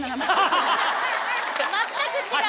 全く違う！